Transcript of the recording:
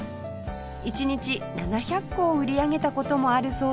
一日７００個を売り上げた事もあるそうです